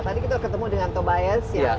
tadi kita ketemu dengan tobias ya